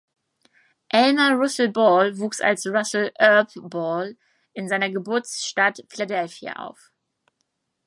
Elmer Russell Ball wuchs als Russell Earp Ball in seiner Geburtsstadt Philadelphia auf.